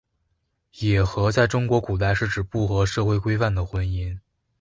野合在中国古代是指不合社会规范的婚姻。